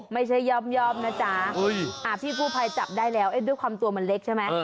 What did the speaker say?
ไม่ใช่ย่อมนะจ๊ะพี่กู้ภัยจับได้แล้วด้วยความตัวมันเล็กใช่ไหม